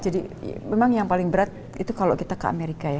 jadi memang yang paling berat itu kalau kita ke amerika ya